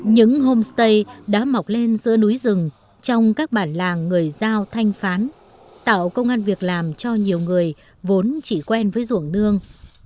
những homestay đã mọc lên giữa núi rừng trong các bản làng người giao thanh phán tạo công an việc làm cho nhiều người vốn chỉ quen với ruộng nương